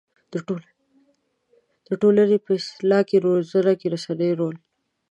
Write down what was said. د ټولنې په اصلاح او روزنه کې د رسنيو رول